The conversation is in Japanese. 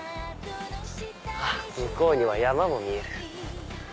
あっ向こうには山も見える。